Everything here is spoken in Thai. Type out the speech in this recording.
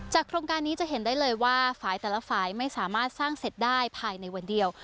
โครงการนี้จะเห็นได้เลยว่าฝ่ายแต่ละฝ่ายไม่สามารถสร้างเสร็จได้ภายในวันเดียว